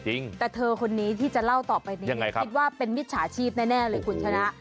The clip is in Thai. แต่เธอคนนี้ที่จะเล่าต่อไปนี้คิดว่าเป็นมิจฉาชีพแน่เลยคุณชนะ